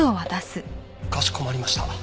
かしこまりました。